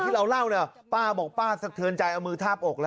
ที่เราเล่าเนี่ยป้าบอกป้าสะเทือนใจเอามือทาบอกเลย